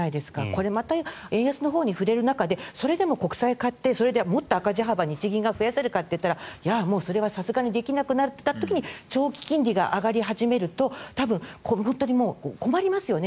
これまた円安のほうに振れる中でそれでも国債を買ってそれでもっと赤字幅を日銀が増やせるかという時にそれはできないとなると長期金利が上がり始めると本当に困りますよね。